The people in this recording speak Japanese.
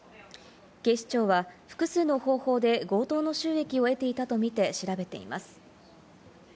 警視庁は複数の方法で強盗の収益を得ていたとみて調べています。